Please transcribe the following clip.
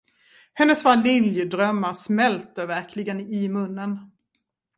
Hennes vaniljdrömmar smälter verkligen i munnen.